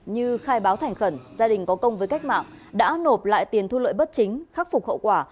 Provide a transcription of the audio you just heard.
như khai báo thành khẩn gia đình có công với cách mạng đã nộp lại tiền thu lợi bất chính khắc phục hậu quả